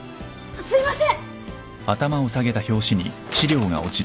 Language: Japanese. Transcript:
すいません。